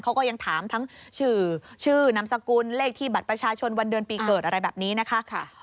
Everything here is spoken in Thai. เขาก็ยังถามทั้งชื่อชื่อนามสกุลเลขที่บัตรประชาชนวันเดือนปีเกิดอะไรแบบนี้นะคะ